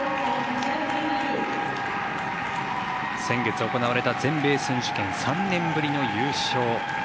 先月行われた全米選手権３年ぶりの優勝。